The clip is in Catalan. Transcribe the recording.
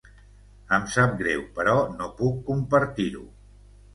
Em sap greu, però no puc compartir-ho.